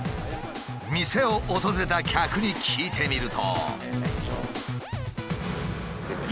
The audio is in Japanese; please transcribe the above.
店を訪れた客に聞いてみると。